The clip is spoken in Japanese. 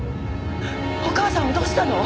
お母さんをどうしたの！？